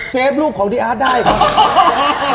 เซฟลูกของดีอาร์สได้ค่ะ